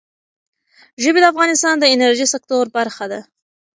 ژبې د افغانستان د انرژۍ سکتور برخه ده.